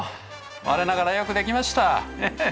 我ながらよくできました。